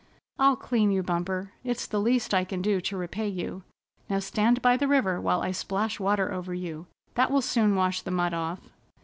"I'll clean you, Bumper. It's the least I can do to repay you. Now stand by the river while I splash water over you. That will soon wash the mud off."